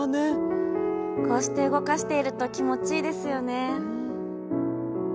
こうして動かしていると気持ちいいですよね。